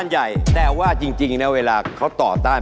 เนินนักฐาน